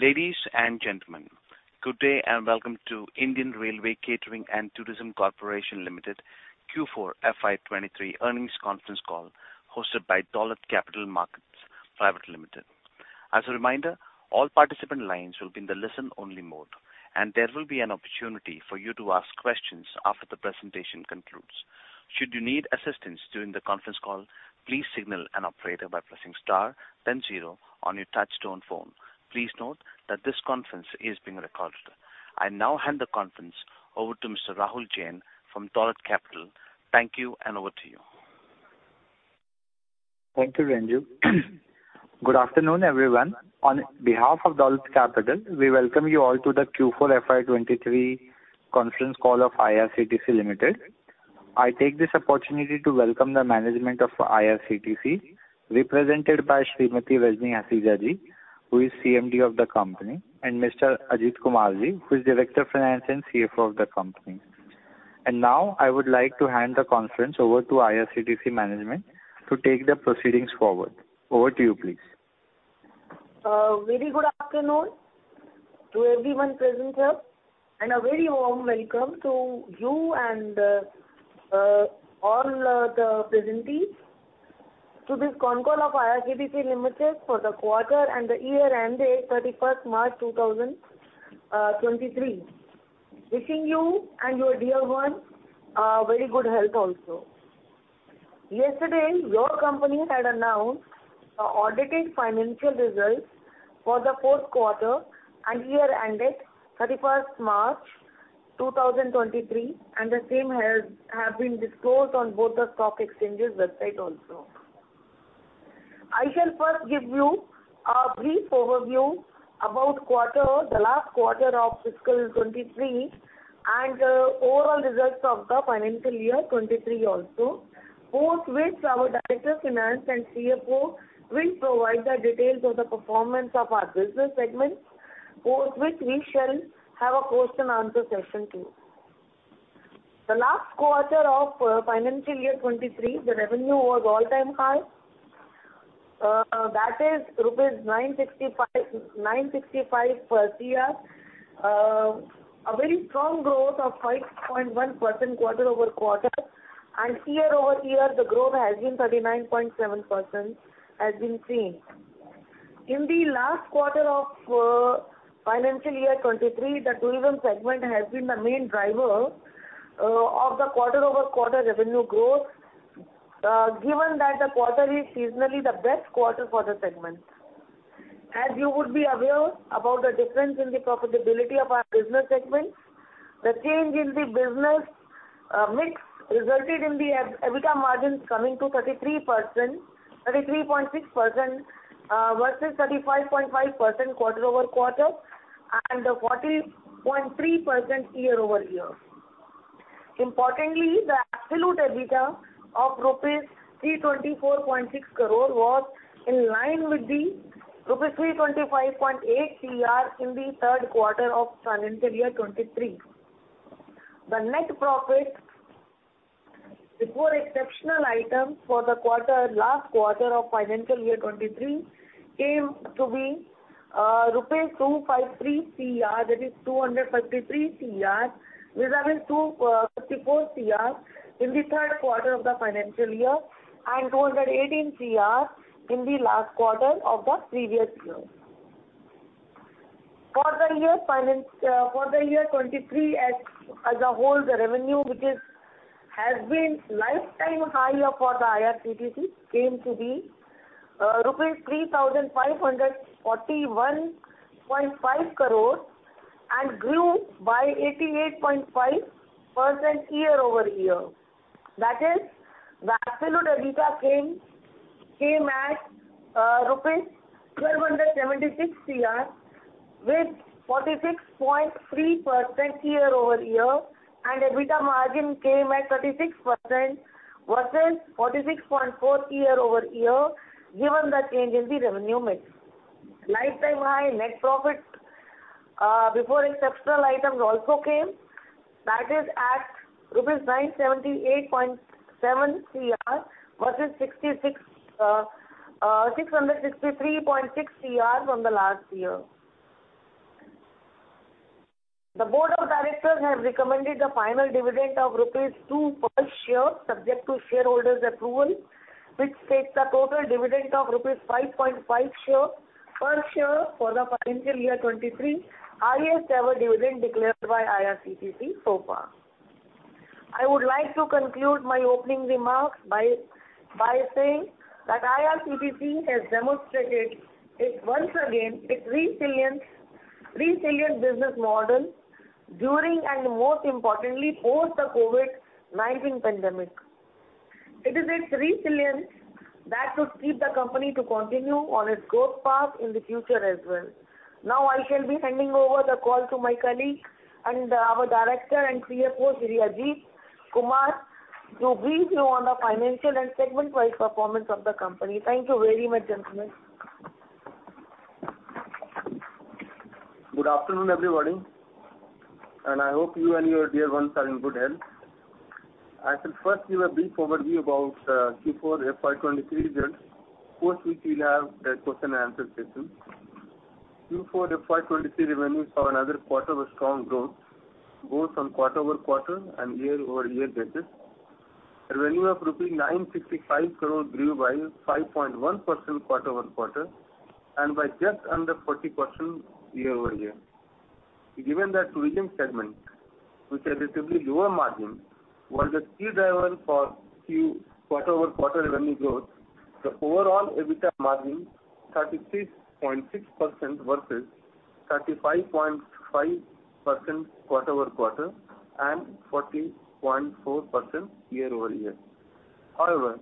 Ladies and gentlemen, good day and welcome to Indian Railway Catering and Tourism Corporation Limited, Q4 FY 2023 earnings conference call hosted by Dolat Capital Markets Private Limited. As a reminder, all participant lines will be in the listen-only mode, and there will be an opportunity for you to ask questions after the presentation concludes. Should you need assistance during the conference call, please signal an operator by pressing star 0 on your touchtone phone. Please note that this conference is being recorded. I now hand the conference over to Mr. Rahul Jain from Dolat Capital. Thank you, and over to you. Thank you, Ranjith. Good afternoon, everyone. On behalf of Dolat Capital, we welcome you all to the Q4 FY 2023 conference call of IRCTC Limited. I take this opportunity to welcome the management of IRCTC, represented by Srimati Rajni Hasija-ji, who is CMD of the company, and Mr. Ajit Kumar-ji, who is Director Finance and CFO of the company. Now, I would like to hand the conference over to IRCTC management to take the proceedings forward. Over to you, please. Very good afternoon to everyone present here, a very warm welcome to you and all the presentees to this concall of IRCTC Limited for the quarter and the year ended 31st March 2023. Wishing you and your dear ones very good health also. Yesterday, your company had announced an audited financial results for the fourth quarter and year ended 31st March 2023, the same have been disclosed on both the stock exchanges website also. I shall first give you a brief overview about the last quarter of FY 2023 and overall results of FY 2023 also, post which our Director of Finance and CFO will provide the details of the performance of our business segments, post which we shall have a question and answer session, too. The last quarter of FY 2023, the revenue was all-time high. That is rupees 965 crore. A very strong growth of 5.1% quarter-over-quarter, year-over-year, the growth has been 39.7%, has been seen. In the last quarter of FY 2023, the tourism segment has been the main driver of the quarter-over-quarter revenue growth, given that the quarter is seasonally the best quarter for the segment. As you would be aware about the difference in the profitability of our business segments, the change in the business mix resulted in the EBITDA margins coming to 33.6% versus 35.5% quarter-over-quarter and 40.3% year-over-year. Importantly, the absolute EBITDA of rupees 324.6 crore was in line with the rupees 325.8 crore in the third quarter of financial year 2023. The net profit before exceptional items for the quarter, last quarter of financial year 2023, came to be INR 253 crore, that is INR 253 crore, vis-a-vis INR 254 crore in the third quarter of the financial year, and INR 218 crore in the last quarter of the previous year. For the year 2023 as a whole, the revenue, which has been lifetime high for the IRCTC, came to be rupees 3,541.5 crore and grew by 88.5% year-over-year. That is, the absolute EBITDA came at rupees 1,276 CR, with 46.3% year-over-year, and EBITDA margin came at 36% versus 46.4% year-over-year, given the change in the revenue mix. Lifetime high net profit before exceptional items also came. That is at rupees 978.7 CR versus 663.6 CR from the last year. The Board of Directors have recommended the final dividend of rupees 2 per share, subject to shareholders' approval, which takes the total dividend of rupees 5.5 per share for the financial year 2023, highest ever dividend declared by IRCTC so far. I would like to conclude my opening remarks by saying that IRCTC has demonstrated its, once again, its resilience, resilient business model during and most importantly, post the COVID-19 pandemic. It is its resilience that would keep the company to continue on its growth path in the future as well. Now, I shall be handing over the call to my colleague and our Director and CFO, Shri Ajit Kumar, to brief you on the financial and segment-wide performance of the company. Thank you very much, gentlemen. Good afternoon, everybody, and I hope you and your dear ones are in good health. I shall first give a brief overview about Q4 FY 2023 results, post which we'll have a question and answer session. Q4 FY 2023 revenues for another quarter of strong growth, both on quarter-over-quarter and year-over-year basis. Revenue of rupee 965 crores grew by 5.1% quarter-over-quarter, and by just under 40% year-over-year. Given that tourism segment, which are relatively lower margin, was the key driver for quarter-over-quarter revenue growth, the overall EBITDA margin 36.6% versus 35.5% quarter-over-quarter and 40.4% year-over-year. However,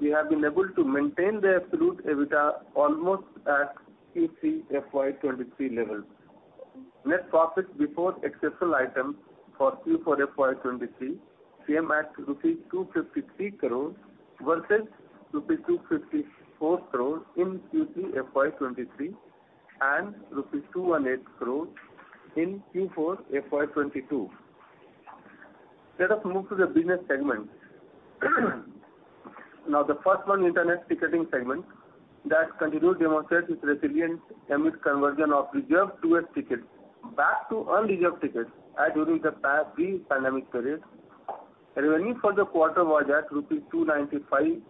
we have been able to maintain the absolute EBITDA almost at Q3 FY 2023 levels. Net profit before exceptional items for Q4 FY 2023 came at rupees 253 crores, versus rupees 254 crores in Q3 FY 2023, and rupees 218 crores in Q4 FY 2022. Let us move to the business segment. The first one, Internet Ticketing segment that continued to demonstrate its resilience amidst conversion of reserved towards tickets back to unreserved tickets, as during the pre-pandemic period. Revenue for the quarter was at rupees 295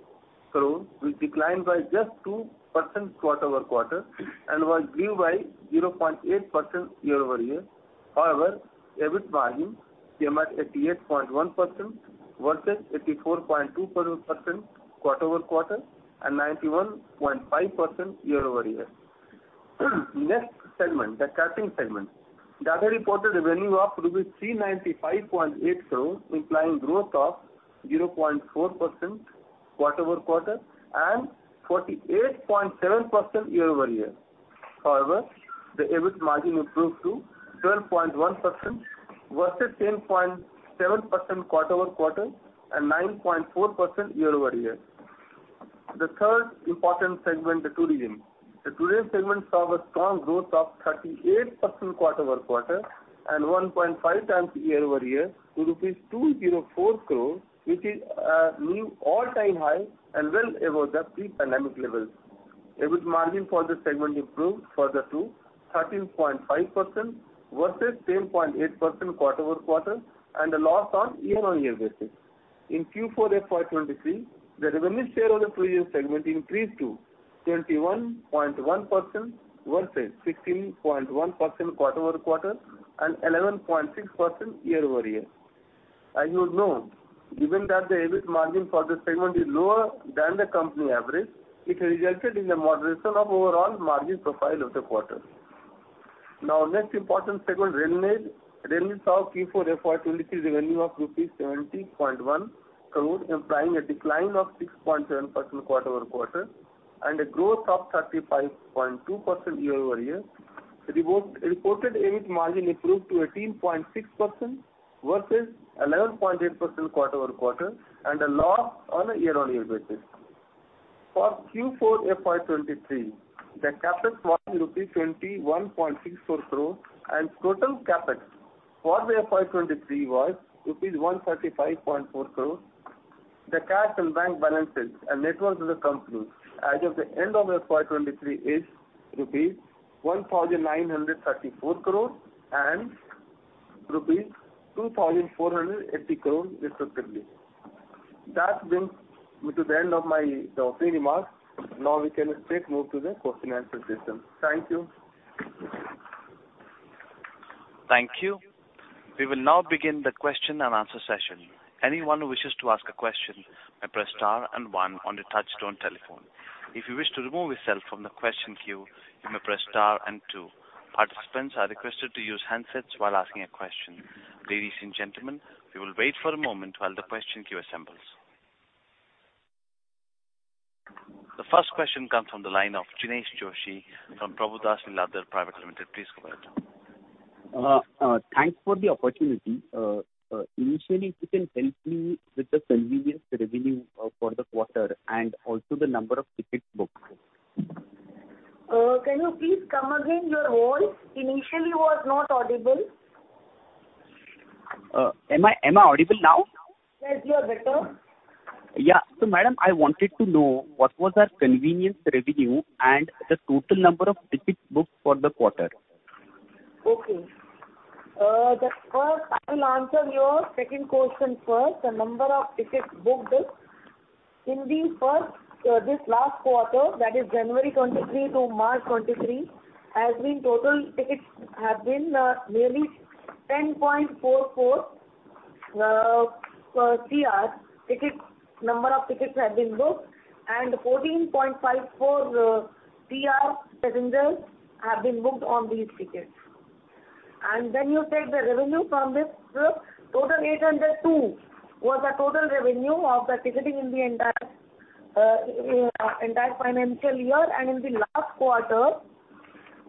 crores, which declined by just 2% quarter-over-quarter, and was grew by 0.8% year-over-year. EBIT margin came at 88.1% versus 84.2% quarter-over-quarter and 91.5% year-over-year. Next segment, the catering segment, that reported a revenue of 395.8 crores, implying growth of 0.4% quarter-over-quarter and 48.7% year-over-year. The EBIT margin improved to 12.1% versus 10.7% quarter-over-quarter and 9.4% year-over-year. The third important segment, the tourism. The tourism segment saw a strong growth of 38% quarter-over-quarter and 1.5x year-over-year to rupees 204 crores, which is a new all-time high and well above the pre-pandemic levels. EBIT margin for this segment improved further to 13.5%, versus 10.8% quarter-over-quarter, and a loss on year-on-year basis. In Q4 FY 2023, the revenue share of the tourism segment increased to 21.1% versus 16.1% quarter-over-quarter and 11.6% year-over-year. As you know, given that the EBIT margin for this segment is lower than the company average, it resulted in a moderation of overall margin profile of the quarter. Next important segment, railway. Railway saw Q4 FY 2023 revenue of rupees 70.1 crores, implying a decline of 6.7% quarter-over-quarter and a growth of 35.2% year-over-year. Reported EBIT margin improved to 18.6%, versus 11.8% quarter-over-quarter, and a loss on a year-on-year basis. For Q4 FY 2023, the CapEx was rupees 21.64 crore. Total CapEx for the FY 2023 was rupees 135.4 crore. The cash and bank balances and net worth of the company as of the end of FY 2023 is rupees 1,934 crore and rupees 2,480 crore, respectively. That brings me to the end of my, the opening remarks. Now, we can straight move to the question answer system. Thank you. Thank you. We will now begin the question and answer session. Anyone who wishes to ask a question, may press star one on the touchtone telephone. If you wish to remove yourself from the question queue, you may press star two. Participants are requested to use handsets while asking a question. Ladies and gentlemen, we will wait for a moment while the question queue assembles. The first question comes from the line of Jinesh Joshi from Prabhudas Lilladher Private Limited. Please go ahead. Thanks for the opportunity. Initially, if you can help me with the convenience revenue for the quarter and also the number of tickets booked. Can you please come again? Your voice initially was not audible. Am I audible now? Yes, you are better. Yeah. Madam, I wanted to know what was our convenience revenue and the total number of tickets booked for the quarter? Okay. I will answer your second question first. The number of tickets booked is, in this last quarter, that is January 2023 to March 2023, total tickets have been nearly 10.44 CR tickets, number of tickets have been booked, and 14.54 CR passengers have been booked on these tickets. Then you take the revenue from this book, total 802 was the total revenue of the ticketing in the entire financial year, and in the last quarter,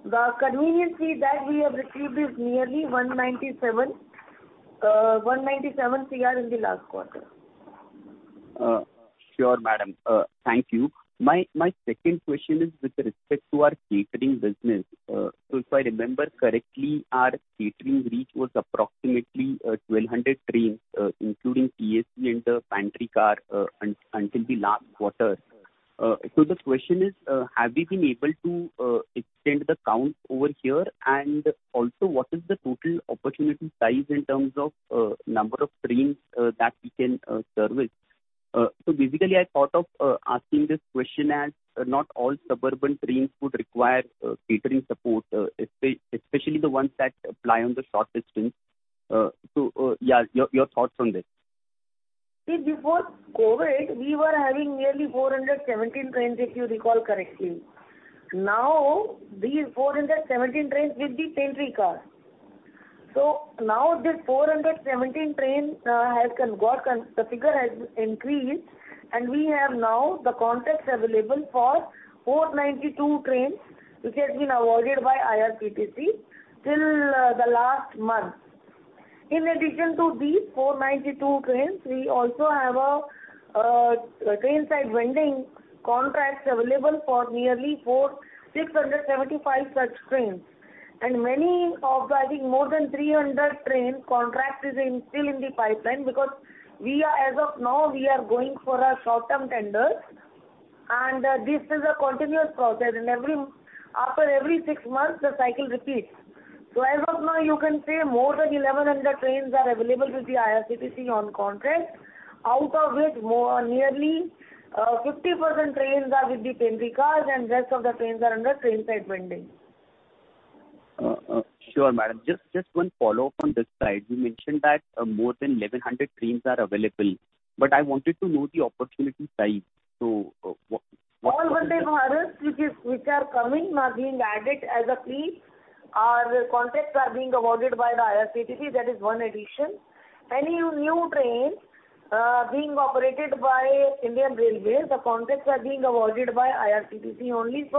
the convenience fee that we have received is nearly 197 CR in the last quarter. Sure, Madam. Thank you. My second question is with respect to our catering business. If I remember correctly, our catering reach was approximately 1,200 trains, including PSP and the pantry car, until the last quarter. The question is, have you been able to extend the count over here? Also, what is the total opportunity size in terms of number of trains that we can service? Basically, I thought of asking this question as not all suburban trains would require catering support, especially the ones that ply on the short distance. Yeah, your thoughts on this. See, before COVID, we were having nearly 417 trains, if you recall correctly. These 417 trains with the pantry car. This 417 train the figure has increased, and we have now the contracts available for 492 trains, which has been awarded by IRCTC till the last month. In addition to these 492 trains, we also have a train side vending contracts available for nearly 675 such trains. Many of the, I think, more than 300 train contracts is still in the pipeline, because we are, as of now, we are going for a short-term tenders, and this is a continuous process, and after every 6 months, the cycle repeats. As of now, you can say more than 1,100 trains are available with the IRCTC on contract, out of which nearly, 50% trains are with the pantry cars, and rest of the trains are under train side vending. Sure, madam. Just one follow-up on this side. You mentioned that more than 1,100 trains are available, but I wanted to know the opportunity size. All Vande Bharat which are coming are being added as a fleet. Our contracts are being awarded by the IRCTC. That is one addition. Any new trains being operated by Indian Railways, the contracts are being awarded by IRCTC only.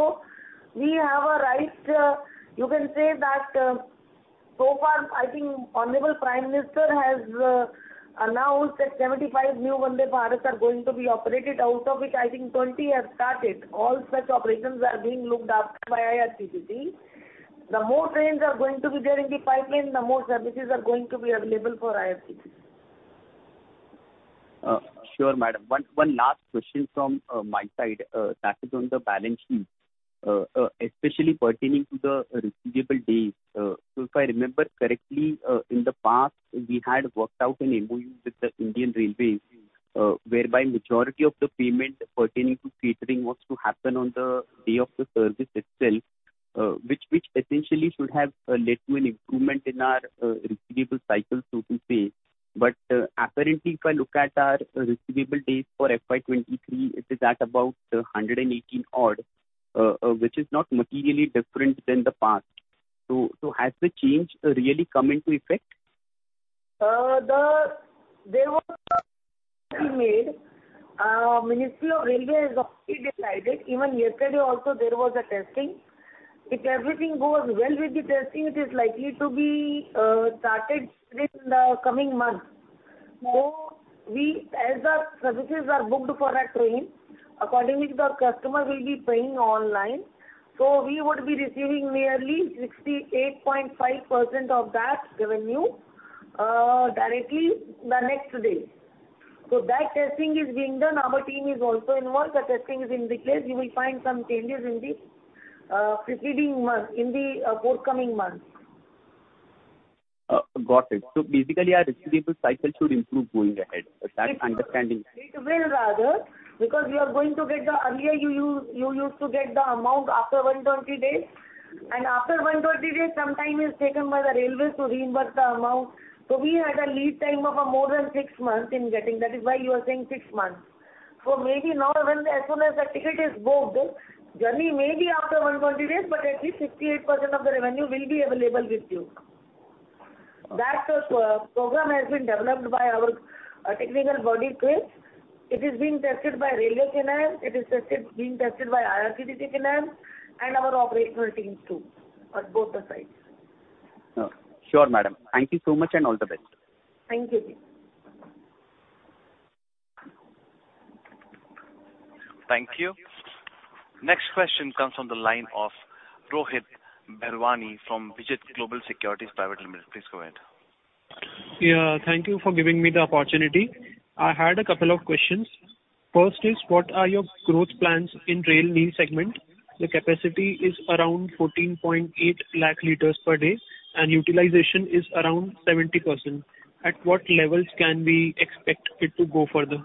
We have a right, you can say that, so far, I think Honorable Prime Minister has announced that 75 new Vande Bharats are going to be operated, out of which I think 20 have started. All such operations are being looked after by IRCTC. The more trains are going to be there in the pipeline, the more services are going to be available for IRCTC. Sure, madam. One last question from my side, that is on the balance sheet, especially pertaining to the receivable days. If I remember correctly, in the past, we had worked out an MOU with the Indian Railways, whereby majority of the payment pertaining to catering was to happen on the day of the service itself, which essentially should have led to an improvement in our receivable cycle, so to say. Apparently, if I look at our receivable days for FY 2023, it is at about 118 odd, which is not materially different than the past. Has the change really come into effect? There was made, Ministry of Railways has already decided. Yesterday also, there was a testing. If everything goes well with the testing, it is likely to be started within the coming month. We, as our services are booked for a train, accordingly, the customer will be paying online, so we would be receiving nearly 68.5% of that revenue directly the next day. That testing is being done. Our team is also involved. The testing is in place. You will find some changes in the preceding month, in the forthcoming months. Got it. Basically, our receivable cycle should improve going ahead. Is that understanding? It will, rather, because we are going to get the. Earlier, you used to get the amount after 120 days. After 120 days, some time is taken by the Railway to reimburse the amount. We had a lead time of more than 6 months in getting. That is why you are saying 6 months. Maybe now, when as soon as the ticket is booked, journey may be after 120 days, but at least 68% of the revenue will be available with you. That program has been developed by our technical body team. It is being tested by Railway CNF, it is being tested by IRCTC CNF, and our operational teams, too, on both the sides. Sure, madam. Thank you so much, and all the best. Thank you. Thank you. Next question comes from the line of Rohit Bahirwani from Vijit Global Securities Private Limited. Please go ahead. Yeah, thank you for giving me the opportunity. I had a couple of questions. First is, what are your growth plans in Rail Neer segment? The capacity is around 14.8 lakh L per day, and utilization is around 70%. At what levels can we expect it to go further?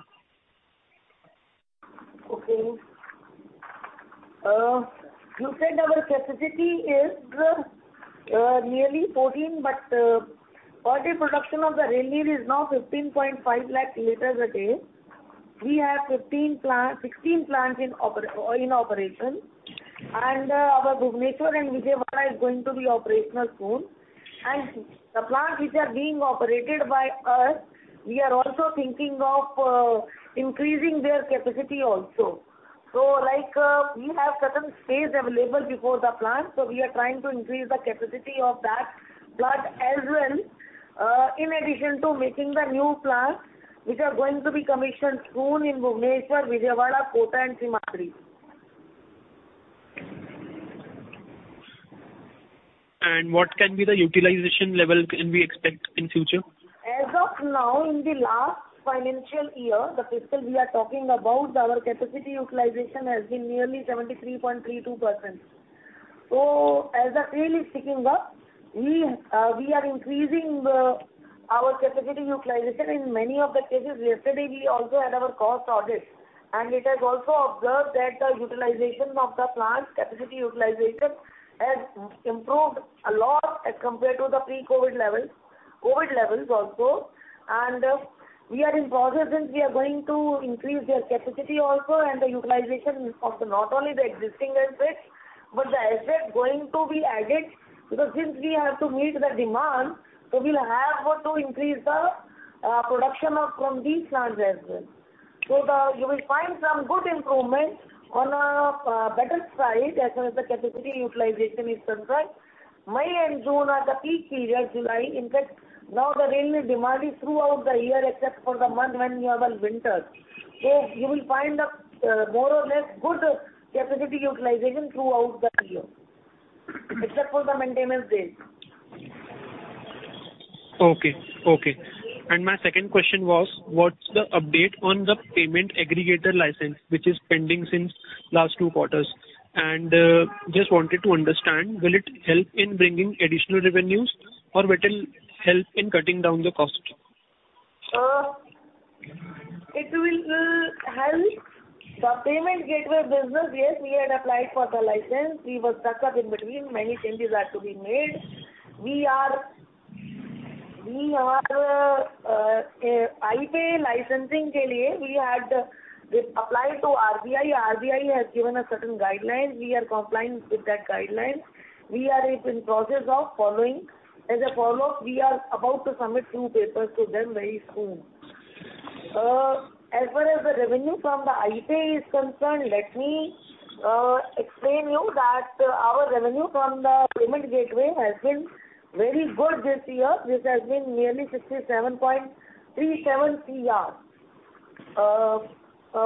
Okay. you said our capacity is nearly 14, but per day production of the Rail Neer is now 15.5 lakh liters a day. We have 16 plants in operation, our Bhubaneshwar and Vijayawada is going to be operational soon. The plants which are being operated by us, we are also thinking of increasing their capacity also. We have certain space available before the plant, we are trying to increase the capacity of that plant as well, in addition to making the new plant, which are going to be commissioned soon in Bhubaneshwar, Vijayawada, Kota and Simhadri. What can be the utilization level can we expect in future? As of now, in the last financial year, the fiscal we are talking about, our capacity utilization has been nearly 73.32%. As the trail is picking up, we are increasing our capacity utilization in many of the cases. Yesterday, we also had our cost audit, and it has also observed that the utilization of the plant, capacity utilization, has improved a lot as compared to the pre-COVID-19 levels, COVID-19 levels also. We are in process, and we are going to increase their capacity also, and the utilization of the, not only the existing assets, but the asset going to be added. Since we have to meet the demand, so we'll have to increase the production of from these plants as well. You will find some good improvement on a better side as far as the capacity utilization is concerned. May and June are the peak period, July, in fact, now the railway demand is throughout the year except for the month when you have a winter. You will find a more or less good capacity utilization throughout the year, except for the maintenance days. Okay, okay. My second question was, what's the update on the payment aggregator license, which is pending since last two quarters? Just wanted to understand, will it help in bringing additional revenues or will help in cutting down the costs? It will help the payment gateway business. Yes, we had applied for the license. We were stuck up in between. Many changes are to be made. We are iPay licensing, we had applied to RBI. RBI has given a certain guideline. We are compliant with that guideline. We are in process of following. As a follow-up, we are about to submit two papers to them very soon. As far as the revenue from the iPay is concerned, let me explain you that our revenue from the payment gateway has been very good this year. This has been nearly 67.37 crore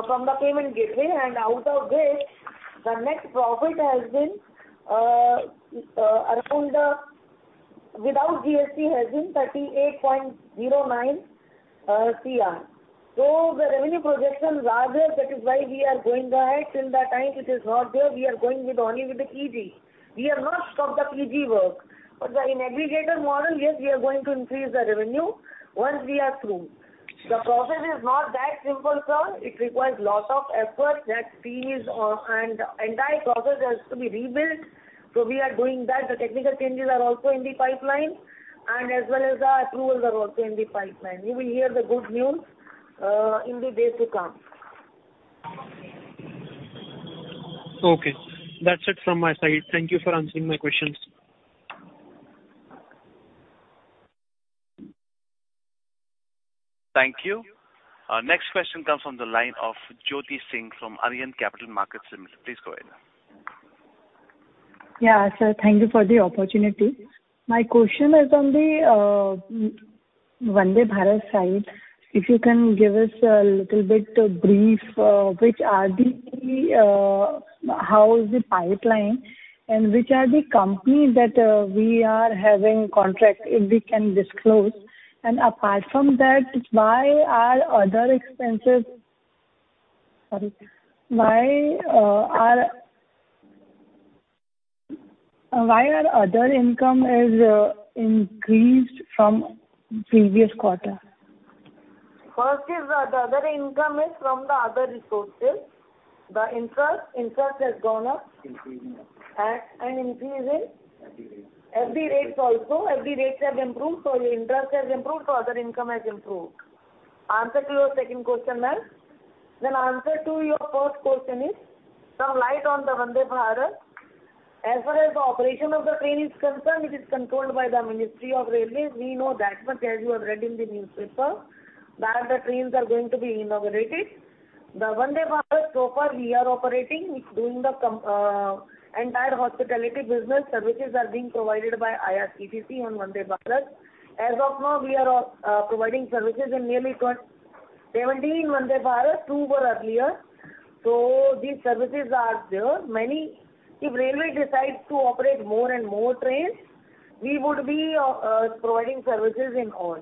from the payment gateway. Out of this, the net profit has been around without GST has been 38.09 crore. The revenue projections are there, that is why we are going ahead. Till the time it is not there, we are going with only with the PG. We have not stopped the PG work. In aggregator model, yes, we are going to increase the revenue once we are through. The process is not that simple, sir. It requires lots of effort, that fees and the entire process has to be rebuilt. We are doing that. The technical changes are also in the pipeline and as well as the approvals are also in the pipeline. You will hear the good news in the days to come. Okay, that's it from my side. Thank you for answering my questions. Thank you. Next question comes from the line of Jyothi Shetty from Aryaman Capital Markets Limited. Please go ahead. Yeah, sir. Thank you for the opportunity. My question is on the Vande Bharat side. If you can give us a little bit brief, which are the, how is the pipeline, and which are the companies that we are having contract, if we can disclose? Apart from that, why are other expenses... Sorry, why are other income is increased from previous quarter? First is the other income is from the other resources. The interest has gone up. Increasing up. Increasing. FD rates. FD rates have improved, the interest has improved, so other income has improved. Answer to your second question, ma'am. Answer to your first question is, some light on the Vande Bharat. As far as the operation of the train is concerned, it is controlled by the Ministry of Railways. We know that much, as you have read in the newspaper, that the trains are going to be inaugurated. The Vande Bharat, so far, we are operating, doing the entire hospitality business. Services are being provided by IRCTC on Vande Bharat. As of now, we are providing services in nearly 17 Vande Bharat, two were earlier. These services are there. If Railway decides to operate more and more trains, we would be providing services in all.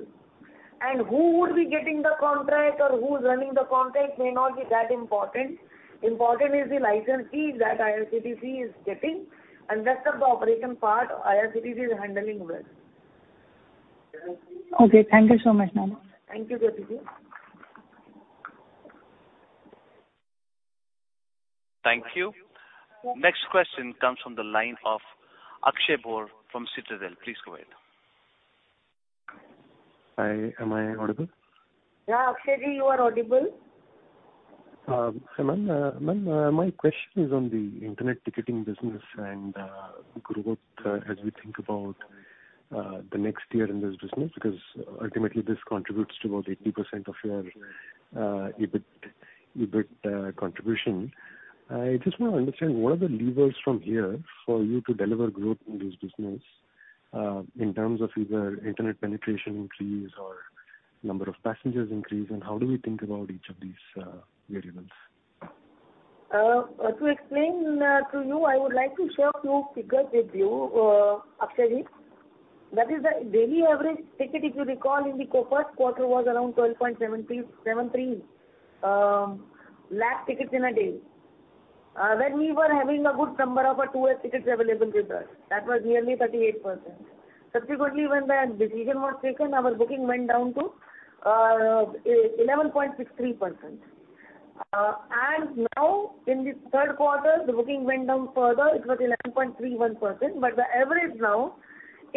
Who would be getting the contract or who's running the contract may not be that important. Important is the licensee that IRCTC is getting, and rest of the operation part, IRCTC is handling well. Okay, thank you so much, ma'am. Thank you, Jyothi. Thank you. Next question comes from the line of Akshay Bhor from Citadel. Please go ahead. Hi, am I audible? Yeah, Akshay, you are audible. Ma'am, my question is on the internet ticketing business and growth as we think about the next year in this business, because ultimately this contributes to about 80% of your EBIT contribution. I just want to understand what are the levers from here for you to deliver growth in this business, in terms of either internet penetration increase or number of passengers increase, and how do we think about each of these variables? To explain to you, I would like to share few figures with you, Akshay. That is the daily average ticket, if you recall, in the first quarter was around 12.73 lakh tickets in a day. When we were having a good number of our two-way tickets available with us, that was nearly 38%. Subsequently, when the decision was taken, our booking went down to 11.63%. And now in the third quarter, the booking went down further. It was 11.31%, but the average now,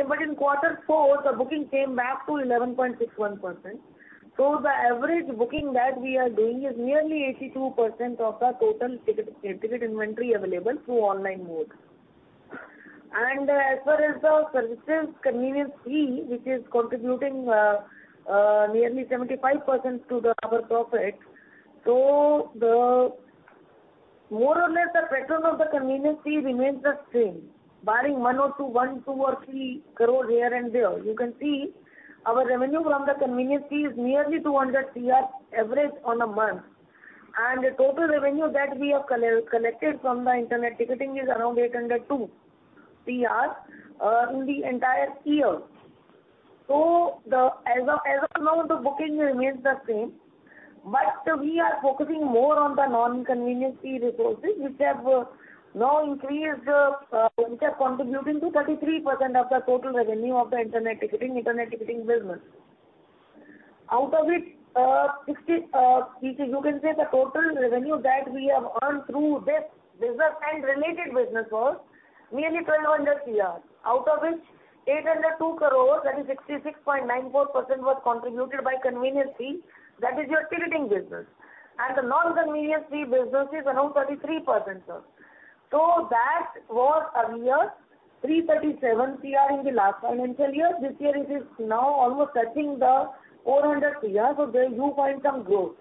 but in quarter four, the booking came back to 11.61%. The average booking that we are doing is nearly 82% of the total ticket inventory available through online mode. As far as the services convenience fee, which is contributing, nearly 75% to our profit. More or less, the pattern of the convenience fee remains the same, barring 1 crore or 2 crore, 1 crore, 2 crore, or 3 crore here and there. You can see our revenue from the convenience fee is nearly 200 crore average on a month, and the total revenue that we have collected from the internet ticketing is around 802 CR in the entire year. As of now, the booking remains the same, but we are focusing more on the non-convenience fee resources, which have now increased, which are contributing to 33% of the total revenue of the internet ticketing business. Out of it, the total revenue that we have earned through this business and related businesses, nearly 1,200 crore, out of which 802 crores, that is 66.94%, was contributed by convenience fee. That is your ticketing business. The non-convenience fee business is around 33%, sir. That was earlier 337 CR in the last financial year. This year it is now almost touching 400 crore, so there you find some growth.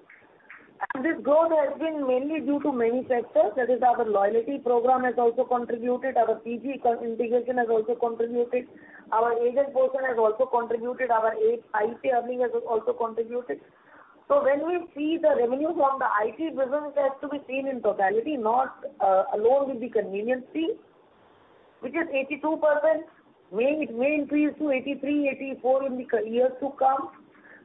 This growth has been mainly due to many factors. That is our loyalty program has also contributed, our CG integration has also contributed, our agent portion has also contributed, our IT earning has also contributed. When we see the revenues from the IT business, it has to be seen in totality, not alone with the convenience fee, which is 82%. May, it may increase to 83, 84 in the years to come.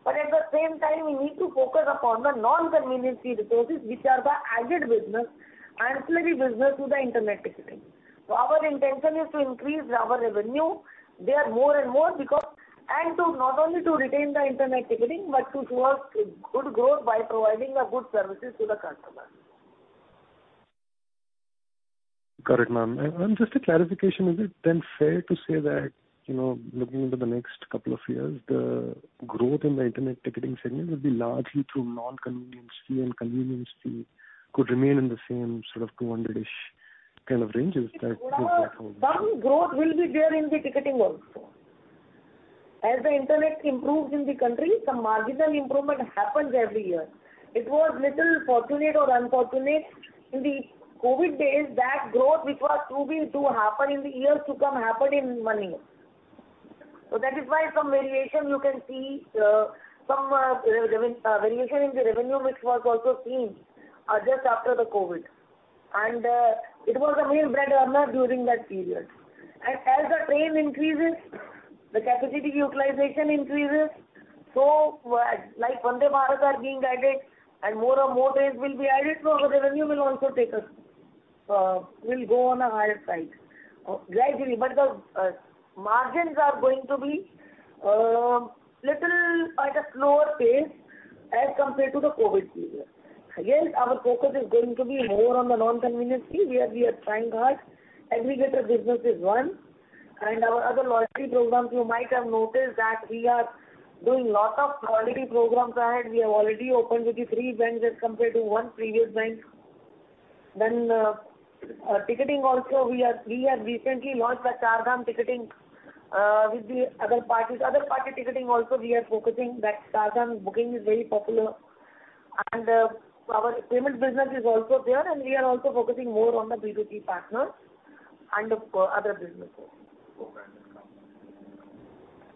At the same time, we need to focus upon the non-convenience fee resources, which are the added business, ancillary business to the internet ticketing. Our intention is to increase our revenue there more and more, and to not only to retain the internet ticketing, but to show a good growth by providing the good services to the customer. Got it, ma'am. Just a clarification, is it then fair to say that, you know, looking into the next couple of years, the growth in the internet ticketing segment will be largely through non-convenience fee, and convenience fee could remain in the same sort of 200-ish crore kind of ranges that was there for? Some growth will be there in the ticketing also. As the internet improves in the country, some marginal improvement happens every year. It was little fortunate or unfortunate in the COVID days, that growth, which was to happen in the years to come, happened in one year. That is why some variation you can see, some variation in the revenue, which was also seen just after the Covid. It was a bread earner during that period. As the train increases, the capacity utilization increases. Like Vande Bharat are being added, and more and more trains will be added, so our revenue will also take us, will go on a higher side gradually. The margins are going to be little at a slower pace as compared to the COVID period. Yes, our focus is going to be more on the non-convenience fee, where we are trying hard. Aggregator business is one, and our other loyalty programs, you might have noticed that we are doing lot of loyalty programs ahead. We have already opened with the three banks as compared to one previous bank. Ticketing also, we have recently launched the Char Dham ticketing with the other parties. Other party ticketing also we are focusing, that Char Dham booking is very popular. Our payment business is also there, and we are also focusing more on the B2B partners and the other businesses.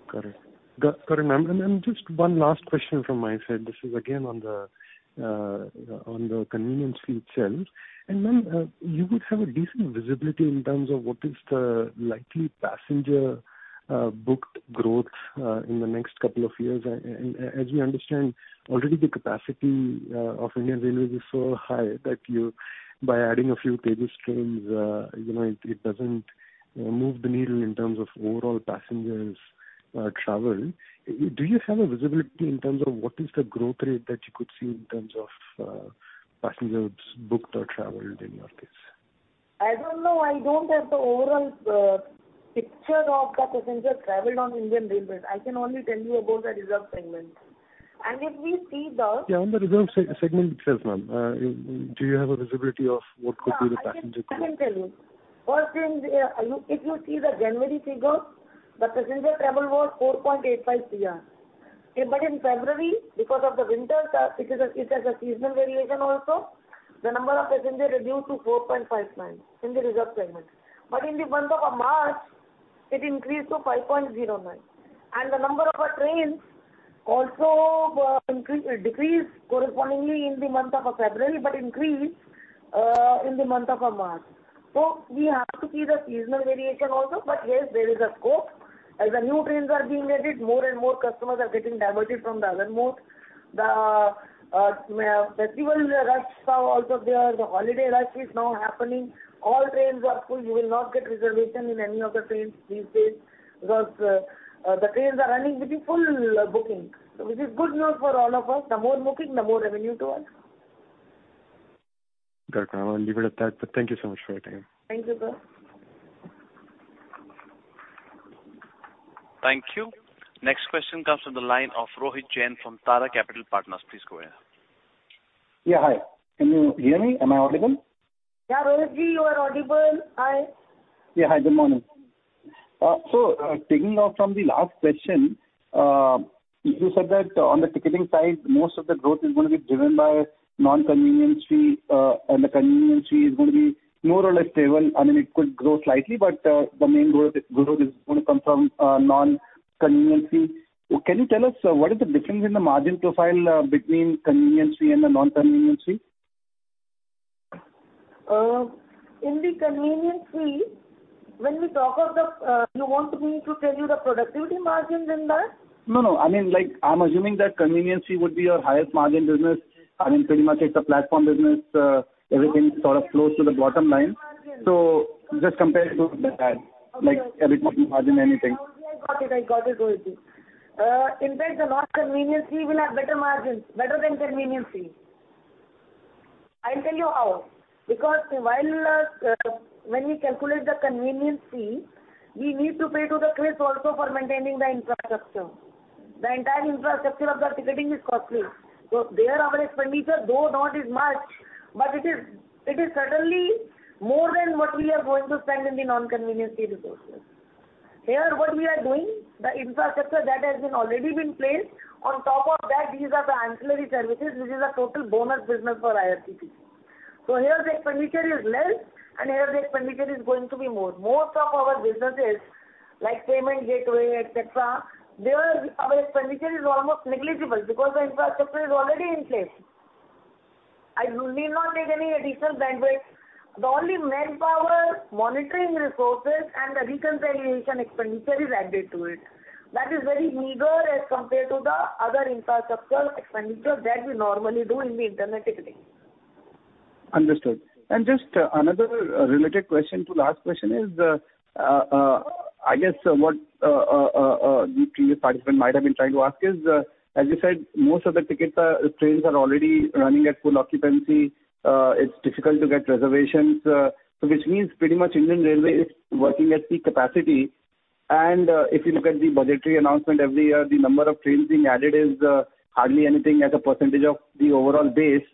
Correct. Got it, ma'am. Just one last question from my side. This is again on the on the convenience fee itself. Ma'am, you would have a decent visibility in terms of what is the likely passenger booked growth in the next couple of years. And as we understand, already the capacity of Indian Railways is so high that you, by adding a few table streams, you know, it doesn't move the needle in terms of overall passengers travel. Do you have a visibility in terms of what is the growth rate that you could see in terms of passengers booked or traveled in your case? I don't know. I don't have the overall picture of the passenger traveled on Indian Railways. I can only tell you about the reserved segment.... On the reserve segment itself, ma'am, do you have a visibility of what could be the passenger count? I can tell you. First thing, if you see the January figure, the passenger travel was 4.85 billion. In February, because of the winter, it has a seasonal variation also, the number of passengers reduced to 4.59 billion in the reserve segment. In the month of March, it increased to 5.09 billion, the number of trains also decreased correspondingly in the month of February, but increased in the month of March. We have to see the seasonal variation also, yes, there is a scope. As the new trains are being added, more and more customers are getting diverted from the other mode. The festival rush is now also there. The holiday rush is now happening. All trains are full. You will not get reservation in any of the trains these days, the trains are running with the full booking. This is good news for all of us. The more booking, the more revenue to us. Got it, ma'am. I'll leave it at that. Thank you so much for your time. Thank you, sir. Thank you. Next question comes from the line of Rohit Jain from Tara Capital Partners. Please go ahead. Yeah, hi. Can you hear me? Am I audible? Yeah, Rohit Jain, you are audible. Hi. Yeah, hi, good morning. Taking off from the last question, you said that on the ticketing side, most of the growth is going to be driven by non-convenience fee, and the convenience fee is going to be more or less stable. I mean, it could grow slightly, but the main growth is going to come from non-convenience fee. Can you tell us, what is the difference in the margin profile between convenience fee and the non-convenience fee? In the convenience fee, when we talk of the, you want me to tell you the productivity margins in that? No, no. I mean, like, I'm assuming that convenience fee would be your highest margin business. I mean, pretty much it's a platform business. Everything sort of flows to the bottom line. Just compare it to that, like everything margin, anything. I got it. I got it, Rohit Jain. In fact, the non-convenience fee will have better margins, better than convenience fee. I'll tell you how. Because while when we calculate the convenience fee, we need to pay to the CRIS also for maintaining the infrastructure. The entire infrastructure of the ticketing is costly. There our expenditure, though not as much, but it is certainly more than what we are going to spend in the non-convenience fee resources. Here, what we are doing, the infrastructure that has been already been placed on top of that, these are the ancillary services, which is a total bonus business for IRCTC. Here the expenditure is less, and here the expenditure is going to be more. Most of our businesses, like payment gateway, et cetera, there our expenditure is almost negligible because the infrastructure is already in place. I do need not take any additional bandwidth. The only manpower, monitoring resources and the reconciliation expenditure is added to it. That is very meager as compared to the other infrastructure expenditure that we normally do in the internet ticketing. Understood. Just another related question to last question is, I guess what the previous participant might have been trying to ask is, as you said, most of the ticket trains are already running at full occupancy. It's difficult to get reservations, so which means pretty much Indian Railways is working at peak capacity. And if you look at the budgetary announcement, every year, the number of trains being added is hardly anything as a percentage of the overall base.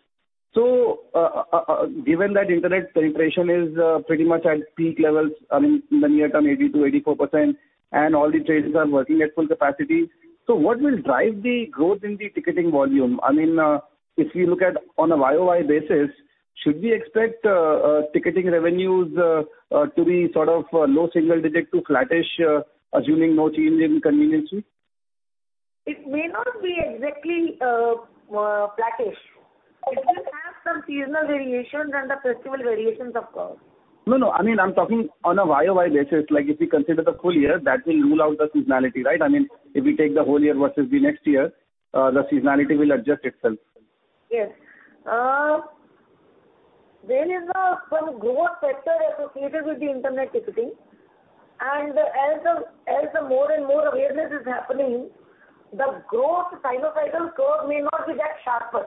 So given that internet penetration is pretty much at peak levels, I mean, in the near term, 80%-84%, and all the trains are working at full capacity. So what will drive the growth in the ticketing volume? I mean, if you look at on a YOY basis, should we expect ticketing revenues to be sort of low single digit to flattish, assuming no change in convenience fee? It may not be exactly flattish. It will have some seasonal variations and the festival variations, of course. No, no, I mean, I'm talking on a YOY basis, like if you consider the full year, that will rule out the seasonality, right? I mean, if we take the whole year versus the next year, the seasonality will adjust itself. Yes. there is, some growth factor associated with the internet ticketing, and as the more and more awareness is happening, the growth sinusoidal curve may not be that sharper.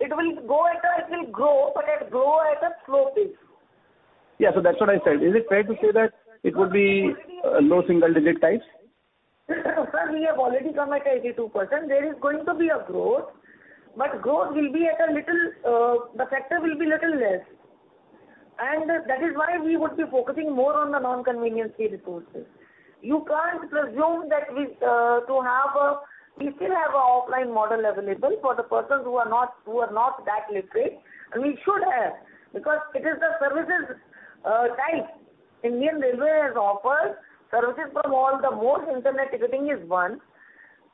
It will grow, but it grow at a slow pace. Yeah, that's what I said. Is it fair to say that it would be a low single digit types? Sir, we have already come at 82%. There is going to be a growth, but growth will be at a little, the factor will be little less. That is why we would be focusing more on the non-convenience fee resources. You can't presume that we to have a we still have an offline model available for the persons who are not, who are not that literate. We should have, because it is the services type. Indian Railways has offered services from all the more internet ticketing is one.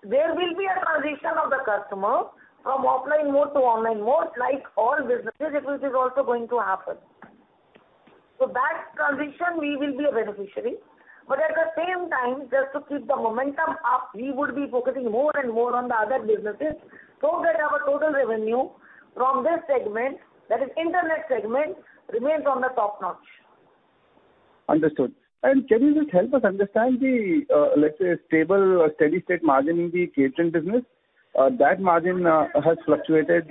There will be a transition of the customer from offline mode to online mode, like all businesses, it is also going to happen. That transition, we will be a beneficiary, but at the same time, just to keep the momentum up, we would be focusing more and more on the other businesses so that our total revenue from this segment, that is internet segment, remains on the top notch. Understood. Can you just help us understand the, let's say, stable or steady-state margin in the catering business? That margin has fluctuated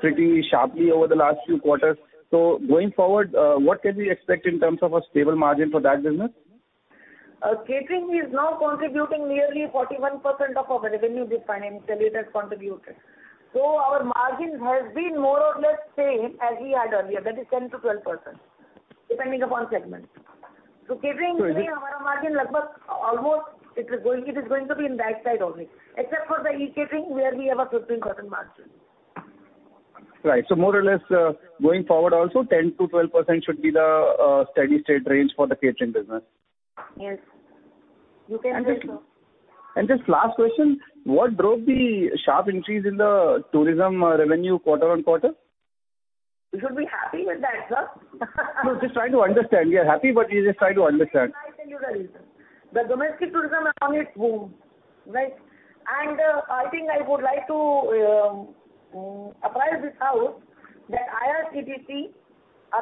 pretty sharply over the last few quarters. Going forward, what can we expect in terms of a stable margin for that business? ... catering is now contributing nearly 41% of our revenue this financial year it has contributed. Our margin has been more or less same as we had earlier, that is 10%-12%, depending upon segment. Catering, our margin almost, it is going to be in that side only, except for the e-catering, where we have a 15% margin. Right. More or less, going forward also, 10%-12% should be the steady state range for the catering business? Yes, you can say so. Just last question, what drove the sharp increase in the tourism revenue quarter-on-quarter? You should be happy with that, sir. No, just trying to understand. We are happy, but we just try to understand. I tell you the reason. The domestic tourism are on its boom, right? I think I would like to apprise this house, that IRCTC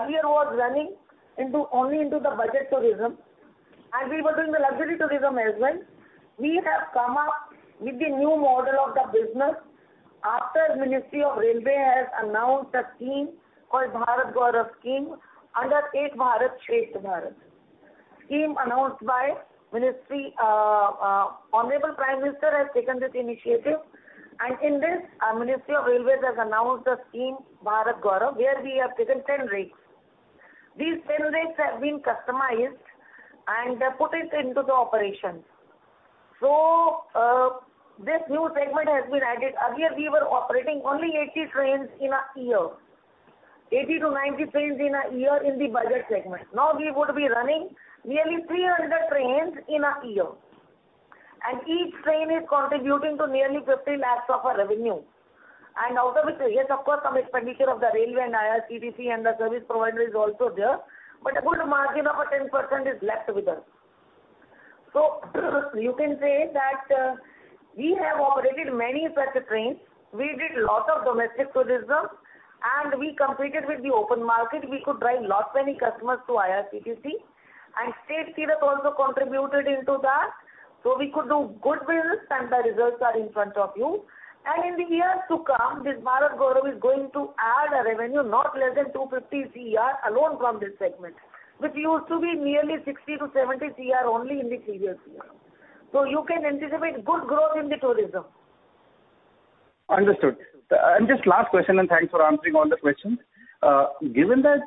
earlier was running into, only into the budget tourism, and we were doing the luxury tourism as well. We have come up with the new model of the business after Ministry of Railways has announced a scheme called Bharat Gaurav Scheme, under Ek Bharat Shreshtha Bharat. Scheme announced by ministry, Honorable Prime Minister has taken this initiative, and in this, our Ministry of Railways has announced a scheme, Bharat Gaurav, where we have taken 10 rigs. These 10 rigs have been customized and put it into the operation. This new segment has been added. Earlier, we were operating only 80 trains in a year, 80-90 trains in a year in the budget segment. We would be running nearly 300 trains in a year, and each train is contributing to nearly 50 lakhs of our revenue. Out of it, yes, of course, some expenditure of the railway and IRCTC and the service provider is also there, but a good margin of a 10% is left with us. You can say that we have operated many such trains. We did lot of domestic tourism, and we competed with the open market. We could drive lots many customers to IRCTC, and static catering also contributed into that. We could do good business, and the results are in front of you. In the years to come, this Bharat Gaurav is going to add a revenue, not less than 250 crore alone from this segment, which used to be nearly 60 crore-70 crore only in the previous year. You can anticipate good growth in the tourism. Understood. Just last question, and thanks for answering all the questions. Given that,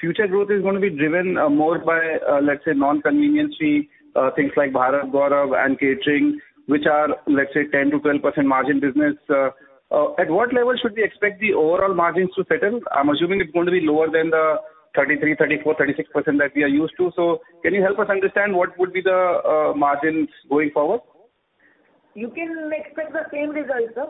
future growth is going to be driven, more by, let's say, non-convenience fee, things like Bharat Gaurav and catering, which are, let's say, 10%-12% margin business, at what level should we expect the overall margins to settle? I'm assuming it's going to be lower than the 33%, 34%, 36% that we are used to. Can you help us understand what would be the, margins going forward? You can expect the same result, sir.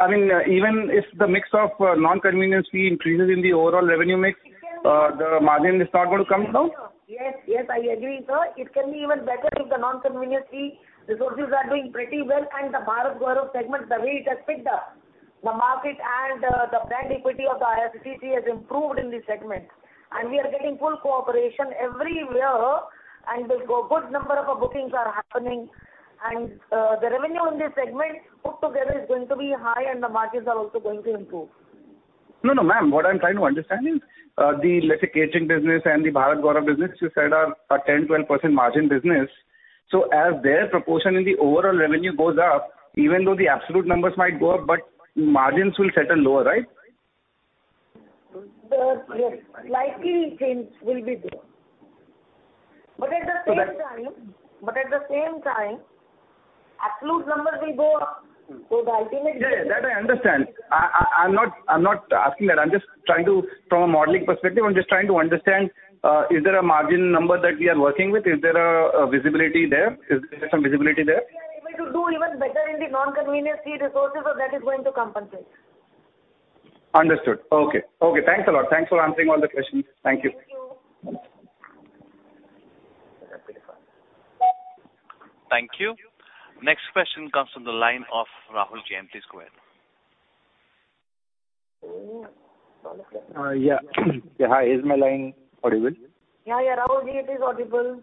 I mean, even if the mix of non-convenience fee increases in the overall revenue mix, the margin is not going to come down? Yes, yes, I agree, sir. It can be even better if the non-convenience fee resources are doing pretty well and the Bharat Gaurav segment, the way it has picked up, the market and the brand equity of the IRCTC has improved in this segment. We are getting full cooperation everywhere, and the good number of bookings are happening, and the revenue in this segment put together is going to be high and the margins are also going to improve. No, no, ma'am, what I'm trying to understand is, the, let's say, catering business and the Bharat Gaurav business, you said, are a 10%, 12% margin business. As their proportion in the overall revenue goes up, even though the absolute numbers might go up, but margins will settle lower, right? Yes, likely things will be there. At the same time, absolute numbers will go up. Yeah, yeah, that I understand. I'm not asking that. From a modeling perspective, I'm just trying to understand, is there a margin number that we are working with? Is there a visibility there? Is there some visibility there? We are able to do even better in the non-convenience fee resources. That is going to compensate. Understood. Okay. Okay, thanks a lot. Thanks for answering all the questions. Thank you. Thank you. Thank you. Next question comes from the line of Rahul Jain. Please go ahead. Hi, is my line audible? Yeah, Rahul, it is audible.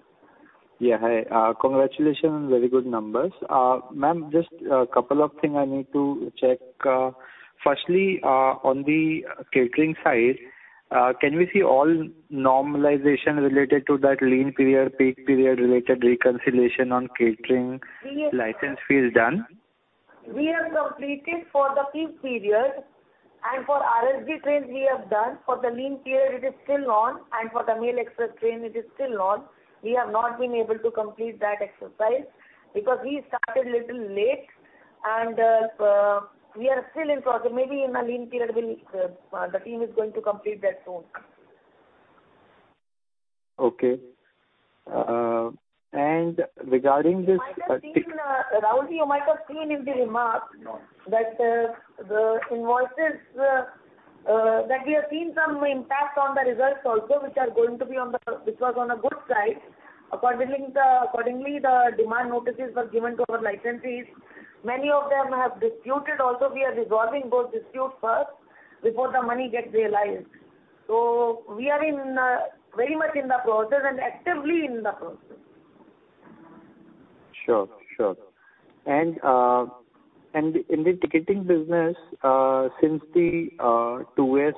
Yeah, hi. Congratulations on very good numbers. Ma'am, just a couple of things I need to check. Firstly, on the catering side, can we see all normalization related to that lean period, peak period related reconciliation on catering license fee is done? We have completed for the peak period, and for RSB trains we have done. For the lean period, it is still on, and for the mail express train, it is still on. We have not been able to complete that exercise because we started little late and we are still in process. Maybe in a lean period, we'll the team is going to complete that soon. Okay. regarding this- You might have seen, Rahul, you might have seen in the remarks. No. That the invoices that we have seen some impact on the results also, which was on a good side. Accordingly, the demand notices were given to our licensees. Many of them have disputed also. We are resolving those disputes first before the money gets realized. We are very much in the process and actively in the process. Sure, sure. In the ticketing business, since the two years,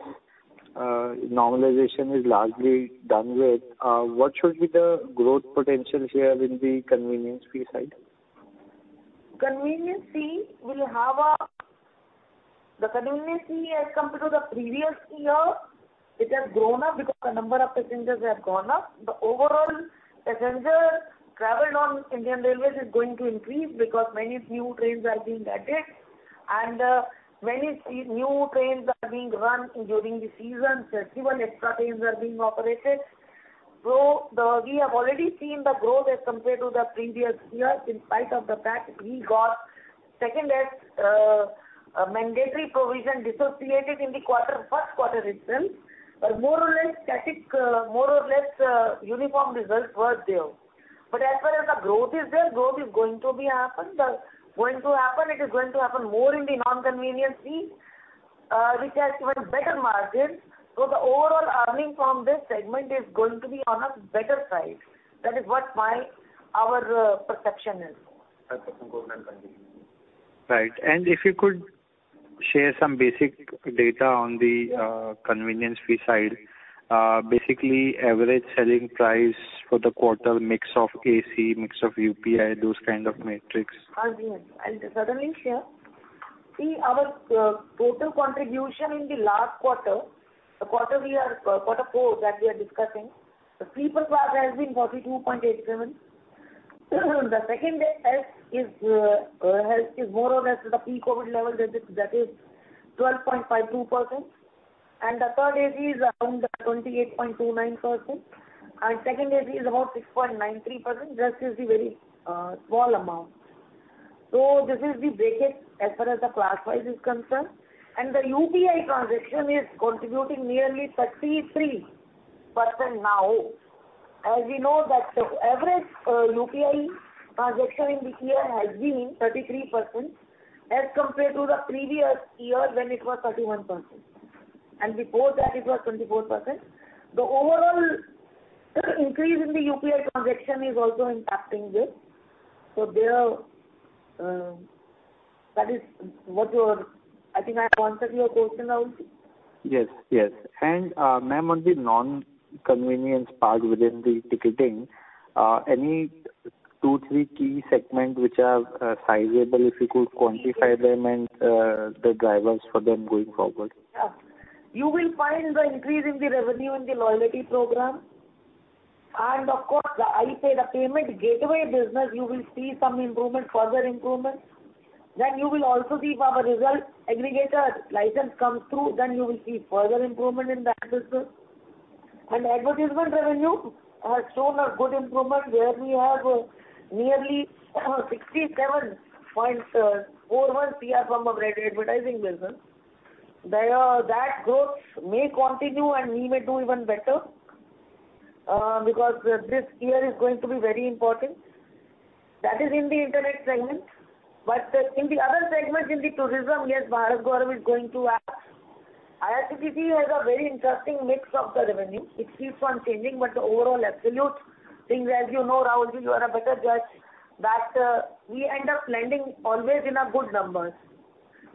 normalization is largely done with, what should be the growth potential here in the convenience fee side? Convenience fee will have the convenience fee as compared to the previous year, it has grown up because the number of passengers have gone up. The overall passenger travel on Indian Railways is going to increase because many new trains are being added, and many new trains are being run during the season. Festival extra trains are being operated. We have already seen the growth as compared to the previous year, in spite of the fact we got second less mandatory provision dissociated in the quarter, first quarter itself. More or less static, more or less, uniform results were there. As far as the growth is there, growth is going to be happen, going to happen. It is going to happen more in the non-convenience fee, which has even better margins. The overall earning from this segment is going to be on a better side. That is what my, our perception is. Right. If you could share some basic data on the convenience fee side, basically average selling price for the quarter, mix of AC, mix of UPI, those kind of metrics. Yes, I'll certainly share. See, our total contribution in the last quarter, the quarter we are, Q4 that we are discussing, the sleeper class has been 42.87%. The second less is has, is more or less to the pre-COVID level, that is 12.52%, and the third AC is around 28.29%, and second AC is about 6.93%. This is the very small amount. So this is the bracket as far as the class wise is concerned, and the UPI transaction is contributing nearly 33% now. As we know that the average UPI transaction in this year has been 33% as compared to the previous year when it was 31%, and before that it was 24%. The overall increase in the UPI transaction is also impacting this. There, that is what I think I answered your question, Rahul? Yes. Ma'am, on the non-convenience part within the ticketing, any two, three key segments which are sizable, if you could quantify them and the drivers for them going forward? Yeah. You will find the increase in the revenue in the loyalty program, and of course, the iPay the payment gateway business, you will see some improvement, further improvement. You will also see if our result aggregator license comes through, then you will see further improvement in that business. Advertisement revenue has shown a good improvement, where we have nearly 67.41 crore from our advertising business. There, that growth may continue, and we may do even better, because this year is going to be very important. That is in the internet segment, in the other segment, in the tourism, yes, Bharat Gaurav is going to add. IRCTC has a very interesting mix of the revenue. It keeps on changing, but the overall absolute things, as you know, Rahul, you are a better judge, that we end up landing always in good numbers.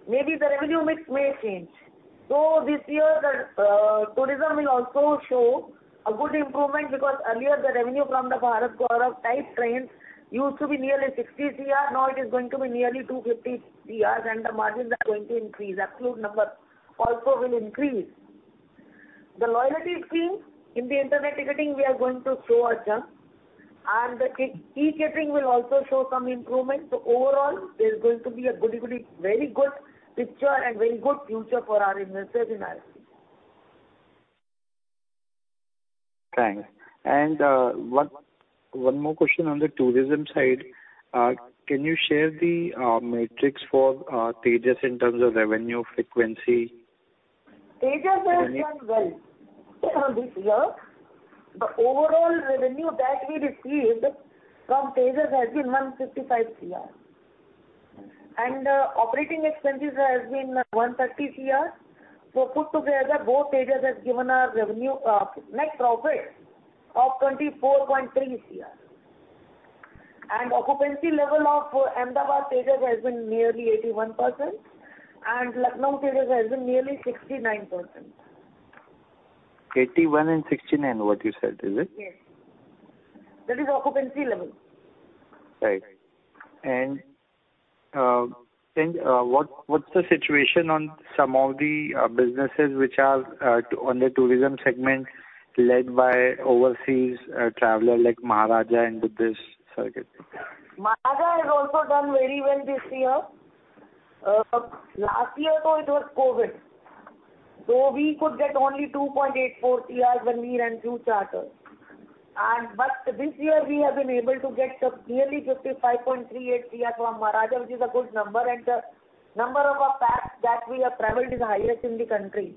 Maybe the revenue mix may change. This year, the tourism will also show a good improvement, because earlier the revenue from the Bharat Gaurav type trains used to be nearly 60 crore. Now it is going to be nearly 250 crore, and the margins are going to increase. Absolute number also will increase. The loyalty scheme in the internet ticketing, we are going to show a jump, and the e-catering will also show some improvement. Overall, there's going to be a goody, very good picture and very good future for our investors in IRCTC. Thanks. One more question on the tourism side. Can you share the metrics for Tejas in terms of revenue, frequency? Tejas has done well this year. The overall revenue that we received from Tejas has been 155 crore. Operating expenses has been 130 crore. Put together, both Tejas has given a revenue net profit of 24.3 crore. Occupancy level of Ahmedabad Tejas has been nearly 81%, and Lucknow Tejas has been nearly 69%. 81% and 69%, what you said, is it? Yes. That is occupancy level. Right. what's the situation on some of the businesses which are on the tourism segment led by overseas traveler like Maharaja and Buddhist Circuit? Maharaja has also done very well this year. Last year, it was COVID, so we could get only 2.84 crore when we ran through charter. This year we have been able to get nearly 55.38 crore from Maharaja, which is a good number, and the number of packs that we have traveled is highest in the country,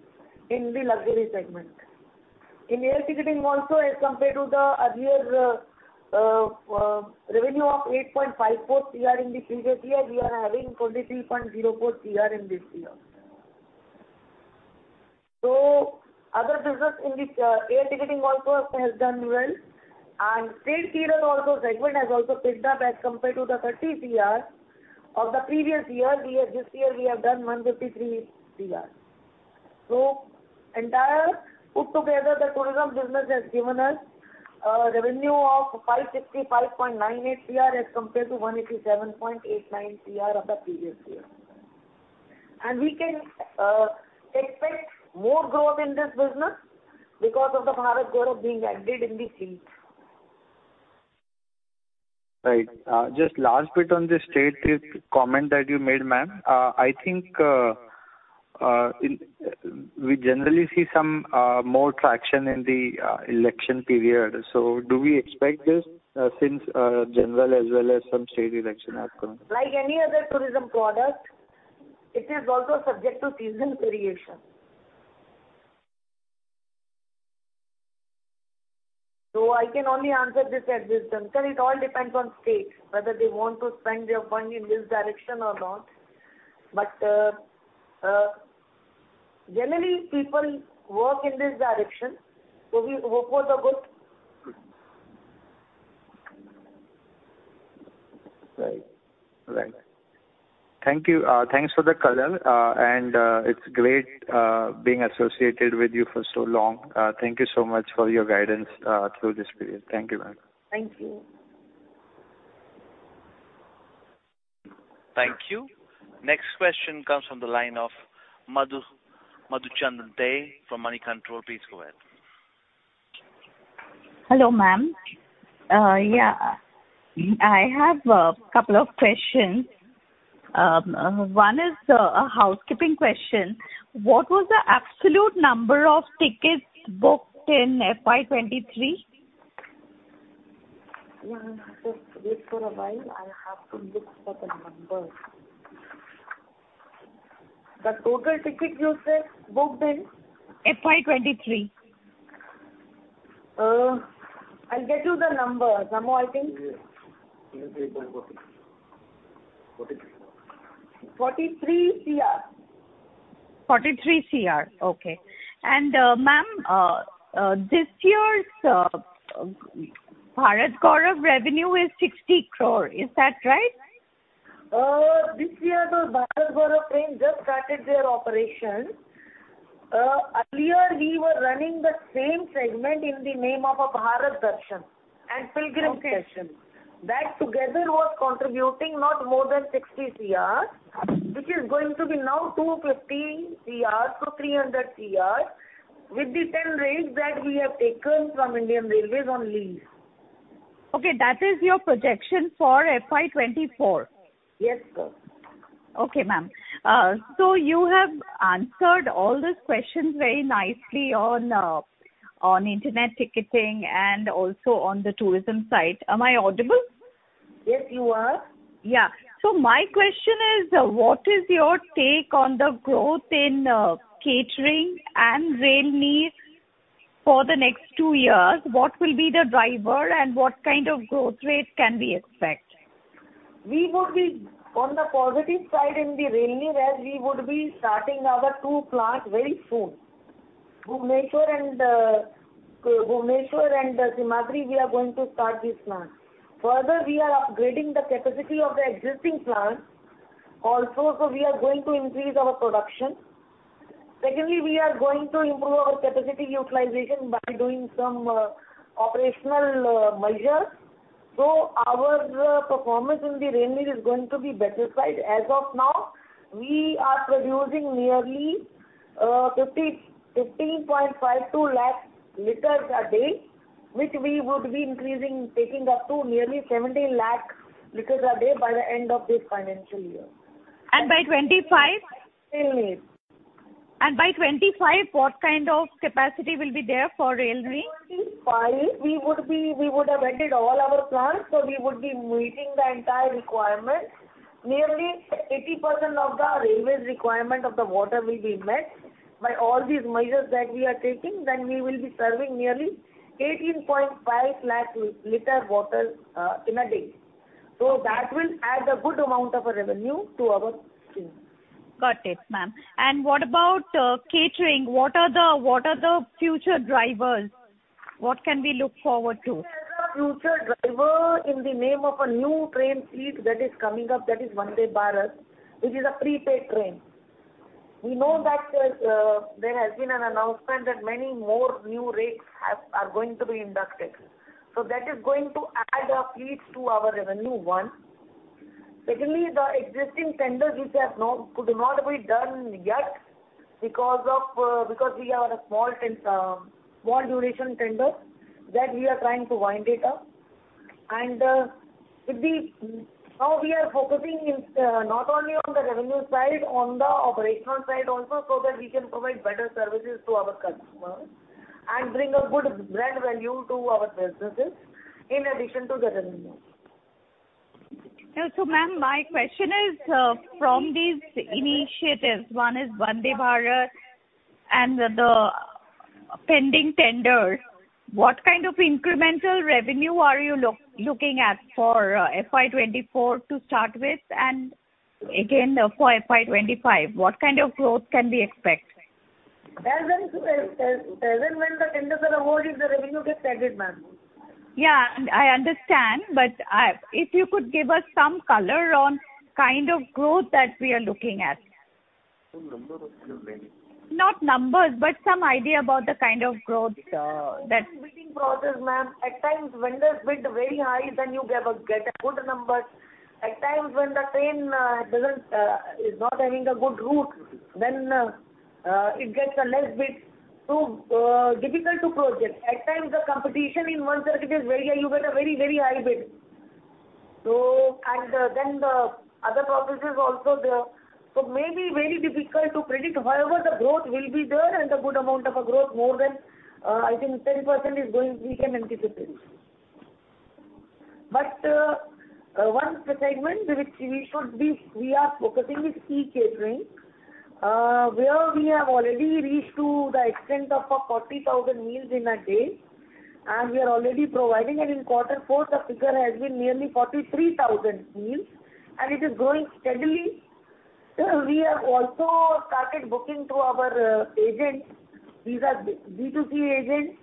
in the luxury segment. In air ticketing also, as compared to the earlier revenue of 8.54 crore in the previous year, we are having 23.04 crore in this year. Other business in the air ticketing also has done well, and state period also segment has also picked up as compared to the 30 crore of the previous year. This year we have done 153 crore. Entire put together, the tourism business has given us a revenue of 555.98 crore as compared to 187.89 crore of the previous year. We can expect more growth in this business because of the Bharat Gaurav being added in the fleet. Right. Just last bit on the state comment that you made, ma'am. I think we generally see some more traction in the election period. Do we expect this since general as well as some state election are coming? Like any other tourism product, it is also subject to season variation. I can only answer this at this juncture. It all depends on states, whether they want to spend their money in this direction or not. Generally, people work in this direction, so we hope for the good. Right. Thank you. Thanks for the color. It's great being associated with you for so long. Thank you so much for your guidance through this period. Thank you, ma'am. Thank you. Thank you. Next question comes from the line of Madhuchanda Dey from Moneycontrol. Please go ahead. Hello, ma'am. Yeah, I have a couple of questions. One is a housekeeping question. What was the absolute number of tickets booked in FY 2023? Yeah, just wait for a while. I have to look for the number. The total tickets you said, booked in? FY 2023. I'll get you the number. Samo, I think. Yes. INR 43 crore. INR 43 crore. Okay. Ma'am, this year's Bharat Gaurav revenue is 60 crore. Is that right? This year, the Bharat Gaurav train just started their operation. Earlier, we were running the same segment in the name of a Bharat Darshan and Pilgrim Special. Okay. That together was contributing not more than 60 crore, which is going to be now 250 crore-300 crore, with the 10 rakes that we have taken from Indian Railways on lease. Okay, that is your projection for FY 2024? Yes, sir. Okay, ma'am. You have answered all these questions very nicely on internet ticketing and also on the tourism side. Am I audible? Yes, you are. Yeah. My question is: What is your take on the growth in catering and Rail Neer for the next two years? What will be the driver, and what kind of growth rate can we expect? We would be on the positive side in the Rail Neer, as we would be starting our two plants very soon. Bhubaneswar and Tinsukia, we are going to start this plant. Further, we are upgrading the capacity of the existing plant also, we are going to increase our production. Secondly, we are going to improve our capacity utilization by doing some operational measures. Our performance in the Rail Neer is going to be better side. As of now, we are producing nearly 15.52 lakh L a day, which we would be increasing, taking up to nearly 70 lakh L a day by the end of this financial year. by 2025? Yeah. By 2025, what kind of capacity will be there for Rail Neer? 2025, we would have ended all our plants, so we would be meeting the entire requirement. Nearly 80% of the railway requirement of the water will be met by all these measures that we are taking, then we will be serving nearly 18.5 lakh L water in a day. That will add a good amount of revenue to our team. Got it, ma'am. What about catering? What are the future drivers? What can we look forward to? The future driver in the name of a new train seat that is coming up, that is Vande Bharat, which is a prepaid train. We know that, there has been an announcement that many more new rakes are going to be inducted. That is going to add a fleet to our revenue, one. Secondly, the existing tenders, which have not, could not be done yet because of, because we are a small duration tender, that we are trying to wind it up. Now we are focusing in, not only on the revenue side, on the operational side also, so that we can provide better services to our customers and bring a good brand value to our businesses, in addition to the revenue. Ma'am, my question is, from these initiatives, one is Vande Bharat and the pending tenders, what kind of incremental revenue are you looking at for FY 2024 to start with, and again, for FY 2025, what kind of growth can we expect? As and when the tenders are awarded, the revenue gets added, ma'am. Yeah, I understand. If you could give us some color on kind of growth that we are looking at. Some numbers. Not numbers, but some idea about the kind of growth. Bidding process, ma'am. At times, vendors bid very high, then you get a good number. At times when the train doesn't is not having a good route, then it gets a less bid. Difficult to project. At times, the competition in one circuit is very high, you get a very, very high bid. Then the other processes also there. Maybe very difficult to predict. However, the growth will be there and a good amount of a growth more than I think 10% is going, we can anticipate. One segment we are focusing is e-catering, where we have already reached to the extent of a 40,000 meals in a day. We are already providing, and in quarter four, the figure has been nearly 43,000 meals, and it is growing steadily. We have also started booking to our agents. These are B2C agents,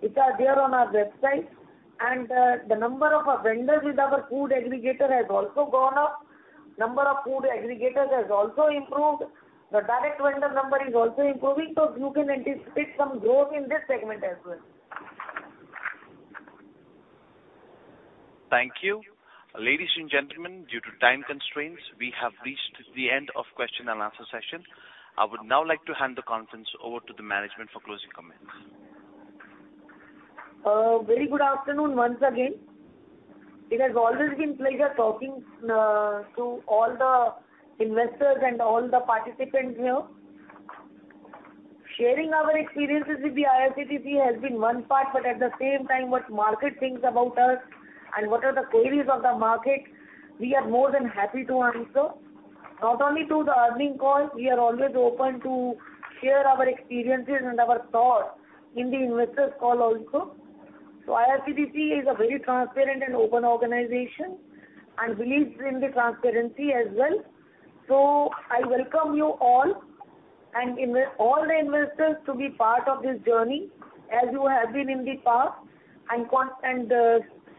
which are there on our website, and the number of our vendors with our food aggregator has also gone up. The number of food aggregators has also improved. The direct vendor number is also improving, so you can anticipate some growth in this segment as well. Thank you. Ladies and gentlemen, due to time constraints, we have reached the end of question and answer session. I would now like to hand the conference over to the management for closing comments. Very good afternoon once again. It has always been pleasure talking to all the investors and all the participants here. Sharing our experiences with the IRCTC has been one part, but at the same time, what market thinks about us and what are the queries of the market, we are more than happy to answer. Not only through the earning call, we are always open to share our experiences and our thoughts in the investors call also. IRCTC is a very transparent and open organization, and believes in the transparency as well. I welcome you all, and all the investors to be part of this journey, as you have been in the past, and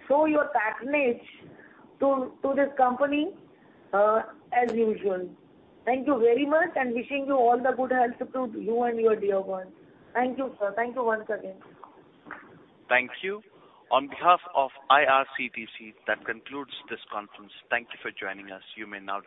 show your patronage to this company as usual. Thank you very much, and wishing you all the good health to you and your dear ones. Thank you, sir. Thank you once again. Thank you. On behalf of IRCTC, that concludes this conference. Thank you for joining us. You may now disconnect.